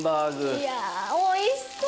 いや美味しそう！